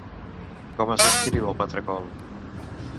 Com es descriu el patracol?